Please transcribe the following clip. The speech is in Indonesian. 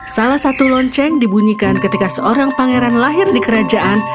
salah satu lonceng dibunyikan ketika seorang pangeran lahir di kerajaan